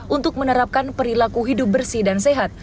untuk menerapkan perilaku hidup bersih dan sehat